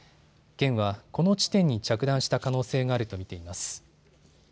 県はこの地点に着弾した可能性があると見ています。